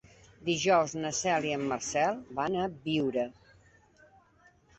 Dijous na Cel i en Marcel van a Biure.